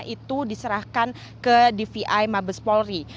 itu diserahkan ke dvi mabes polri